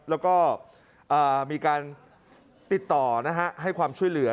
แล้วก็มีการติดต่อให้ความช่วยเหลือ